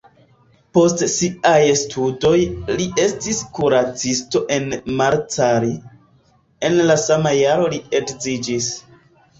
Post siaj studoj li estis kuracisto en Marcali, en la sama jaro li edziĝis.